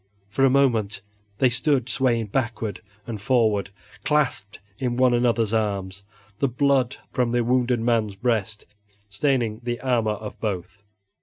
For a moment they stood swaying backward and forward, clasped in one another's arms, the blood from the wounded man's breast staining the armor of both.